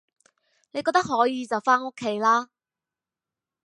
你覺得可以就返屋企啦